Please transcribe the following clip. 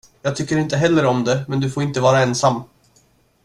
Jag tycker inte heller om det, men du får inte vara ensam.